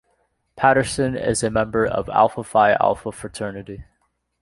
Patterson is a member of Alpha Phi Alpha fraternity.